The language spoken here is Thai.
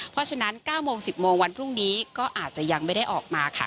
เพราะฉะนั้น๙โมง๑๐โมงวันพรุ่งนี้ก็อาจจะยังไม่ได้ออกมาค่ะ